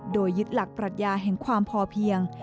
โดยยึดหลักปรัชญาแห่งความพอเพียง